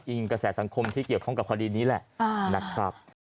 กระแสสังคมที่เกี่ยวข้องกับคดีนี้แหละนะครับ